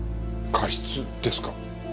過失ですか？